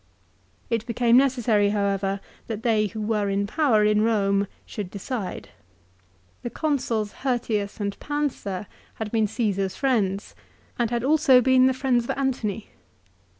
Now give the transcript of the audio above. It became necessary, however, that they who were in power in Eome should decide. The Consuls Hirtius and Pansa had been Caesar's friends, and had also been the 252 LIFE OF CICERO. friends of Antony.